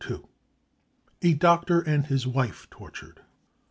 35 A Doctor and his Wife tortured.